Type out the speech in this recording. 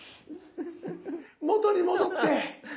元に戻って！